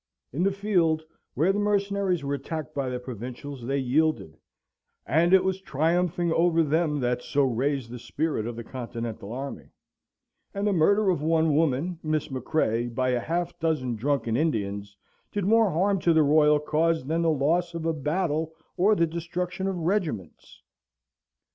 In the field, where the mercenaries were attacked by the Provincials, they yielded, and it was triumphing over them that so raised the spirit of the Continental army; and the murder of one woman (Miss McCrea) by a half dozen drunken Indians, did more harm to the Royal cause than the loss of a battle or the destruction of regiments.